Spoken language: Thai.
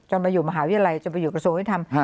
มาอยู่มหาวิทยาลัยจนไปอยู่กระทรวงยุทธรรม